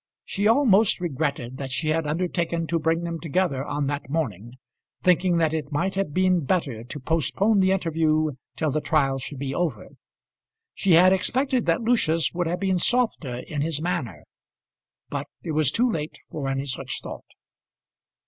She almost regretted that she had undertaken to bring them together on that morning, thinking that it might have been better to postpone the interview till the trial should be over. She had expected that Lucius would have been softer in his manner. But it was too late for any such thought.